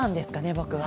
僕は。